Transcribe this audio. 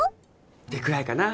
ってくらいかな？